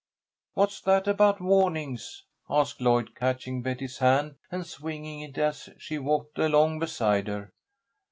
"What's that about warnings?" asked Lloyd, catching Betty's hand and swinging it as she walked along beside her.